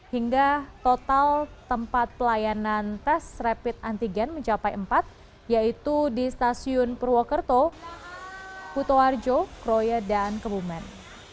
hingga total tempat pelayanan tes rapid antigen mencapai empat yaitu di stasiun purwokerto kutoarjo kroya dan kebumen